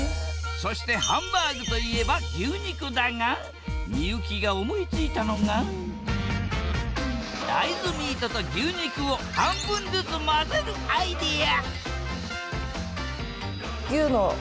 そしてハンバーグと言えば牛肉だが幸が思いついたのが大豆ミートと牛肉を半分ずつ混ぜるアイデア！